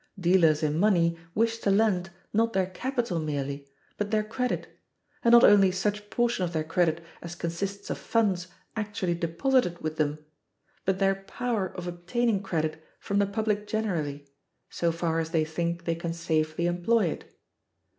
Dealers in money wish to lend, not their capital merely, but their credit, and not only such portion of their credit as consists of funds actually deposited with them, but their power of obtaining credit from the public generally, so far as they think they can safely employ it.